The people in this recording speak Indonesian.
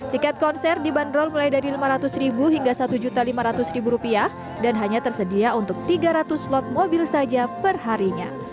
tiket konser dibanderol mulai dari lima ratus ribu hingga satu juta lima ratus ribu rupiah dan hanya tersedia untuk tiga ratus slot mobil saja perharinya